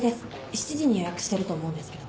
７時に予約してると思うんですけど。